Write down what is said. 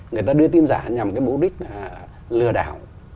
người ta đưa tin giả nhằm cái mục đích lừa đảo